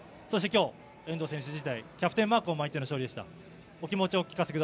そして今日、遠藤選手自体キャプテンマークを巻いての勝利でした。